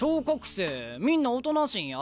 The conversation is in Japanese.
生みんなおとなしいんや？